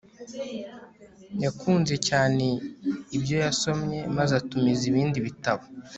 yakunze cyane ibyo yasomye maze atumiza ibindi bitabo